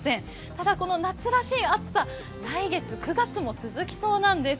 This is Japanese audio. ただ、この夏らしい暑さ、来月、９月も続きそうなんです。